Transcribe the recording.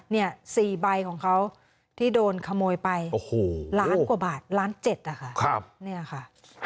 นี่๔ใบของเขาที่โดนขโมยไปล้านกว่าบาทล้านเจ็ดค่ะ